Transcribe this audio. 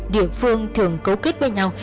địa phương thường cấu kết với nhau